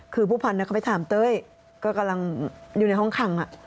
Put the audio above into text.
คือผู้พันธ์เขาไปถามเต้ยก็กำลังอยู่ในห้องขัง